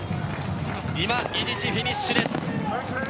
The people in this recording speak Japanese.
伊地知、フィニッシュです。